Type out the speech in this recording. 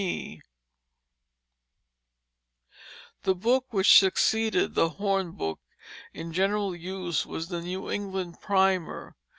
Erasmus Hall] The book which succeeded the hornbook in general use was the New England Primer.